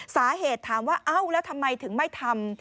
สาเหตุถามว่าเอ้าแล้วทำไมถึงไม่ทำ